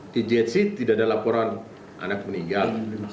di jetsi tidak ada laporan anak meninggal